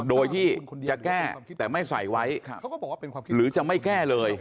โดยที่จะแก้แต่ไม่ใส่ไว้หรือจะไม่แก้เลย